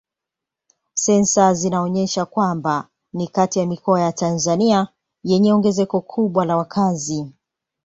Sensa zinaonyesha kwamba ni kati ya mikoa ya Tanzania yenye ongezeko kubwa la wakazi.